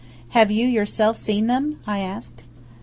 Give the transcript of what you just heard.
"Have you yourself seen them?" I asked.